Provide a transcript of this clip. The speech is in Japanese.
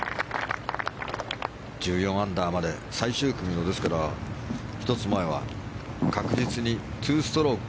１４アンダーまで最終組の、ですから１つ前は確実に２ストローク